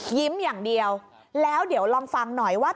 อย่างเดียวแล้วเดี๋ยวลองฟังหน่อยว่า